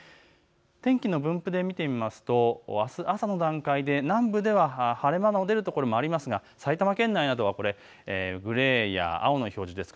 天気の分布で見てみますとあす朝の段階で南部では晴れ間の出る所もありますが埼玉県内などグレーや青の表示です。